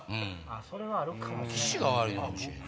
それはあるかもしれない。